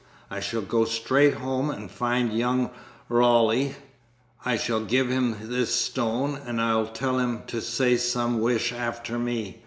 I shall go straight home and find young Roly. I shall give him this stone, and just tell him to say some wish after me.